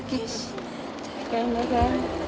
おかえりなさい。